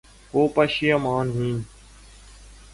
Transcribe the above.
کو پشیماں ہوں